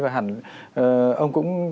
và hẳn ông cũng